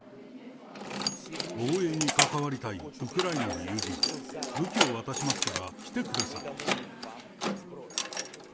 防衛に関わりたいウクライナの友人、武器を渡しますから来てください。